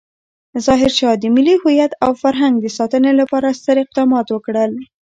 ظاهرشاه د ملي هویت او فرهنګ د ساتنې لپاره ستر اقدامات وکړل.